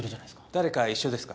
誰か一緒ですか？